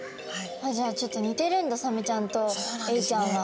じゃあちょっと似てるんだサメちゃんとエイちゃんは。